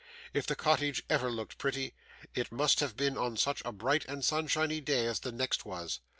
If the cottage ever looked pretty, it must have been on such a bright and sunshiny day as the next day was.